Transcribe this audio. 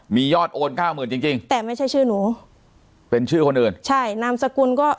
มียอดโอนเก้าหมื่นจริงจริงแต่ไม่ใช่ชื่อหนูเป็นชื่อคนอื่นใช่นามสกุลก็